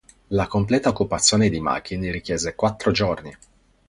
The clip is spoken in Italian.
La completa occupazione di Makin richiese quattro giorni.